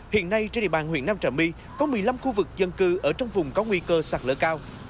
hiện nay trên địa bàn huyện nam trà my có một mươi năm khu vực dân cư ở trong vùng có nguy cơ sạt lở cao